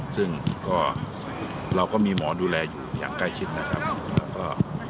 ซึ่งก็เราก็มีหมอดูแลอยู่อย่างใกล้ชิดนะครับแล้วก็